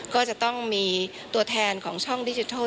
ก็จะต้องมีตัวแทนของช่องดิจิทัล